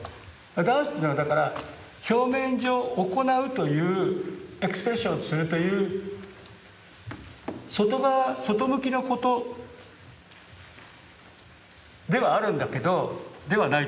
ダンスというのはだから表面上行うというエクスプレッションするという外側外向きのことではあるんだけど「ではない」と言わないよ。